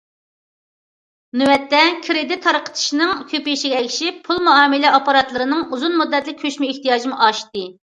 نۆۋەتتە، كىرېدىت تارقىتىشنىڭ كۆپىيىشىگە ئەگىشىپ، پۇل مۇئامىلە ئاپپاراتلىرىنىڭ ئۇزۇن مۇددەتلىك كۆچمە ئېھتىياجىمۇ ئاشتى.